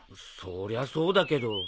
そりゃそうだけど。